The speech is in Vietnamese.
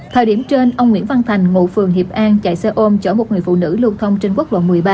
thời điểm trên ông nguyễn văn thành ngụ phường hiệp an chạy xe ôm chở một người phụ nữ lưu thông trên quốc lộ một mươi ba